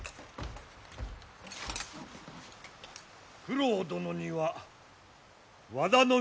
九郎殿には輪田ノ